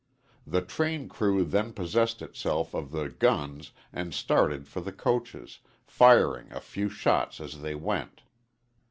The train crew then possessed itself of the guns and started for the coaches, firing a few shots as they went.